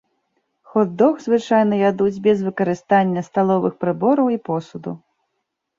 Хот-дог звычайна ядуць без выкарыстання сталовых прыбораў і посуду.